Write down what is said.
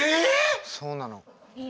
そうなの。